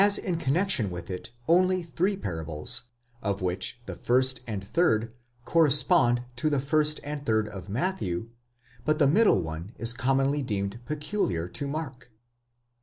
in connexion with it only three parables, of which the first and third corre spond to the first and third of Matthew, but the middle one is commonly deemed peculiar to Mark.